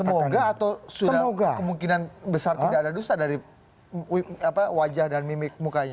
semoga atau sudah kemungkinan besar tidak ada dusa dari wajah dan mimik mukanya